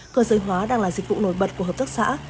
cờ dưới hóa đang là dịch vụ nổi bật của hợp tác xã